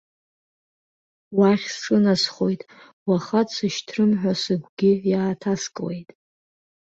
Уахь сҿынасхоит, уаха дсышьҭрым ҳәа сыгәгьы иааҭаскуеит.